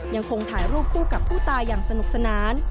ยังคงถ่ายรูปคู่กับผู้ตายอย่างสนุกสนาน